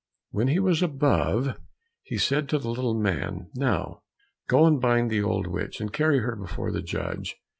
When he was above, he said to the little man, "Now go and bind the old witch, and carry her before the judge."